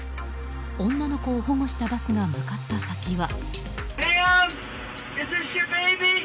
女の子を保護したバスが向かった先は。